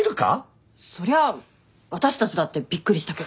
そりゃあ私たちだってびっくりしたけど。